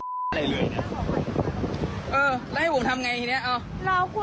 ไม่รับค่ะคุณทำงานอย่างนี้ได้ยังไงคะ